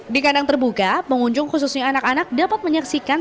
di kandang terbuka pengunjung khususnya anak anak dapat menyaksikan